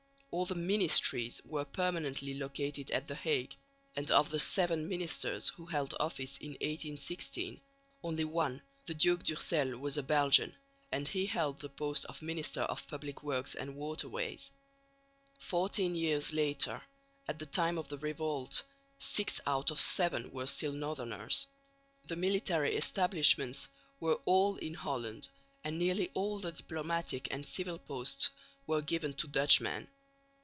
All the ministries were permanently located at the Hague; and of the seven ministers who held office in 1816 only one, the Duke d'Ursel, was a Belgian, and he held the post of Minister of Public Works and Waterways. Fourteen years later (at the time of the revolt) six out of seven were still northerners. The military establishments were all in Holland, and nearly all the diplomatic and civil posts were given to Dutchmen.